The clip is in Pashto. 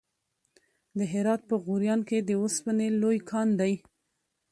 د هرات په غوریان کې د وسپنې لوی کان دی.